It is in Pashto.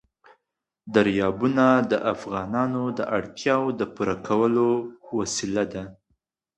دریابونه د افغانانو د اړتیاوو د پوره کولو وسیله ده.